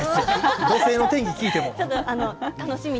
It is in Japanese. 土星の天気を聞いてもね。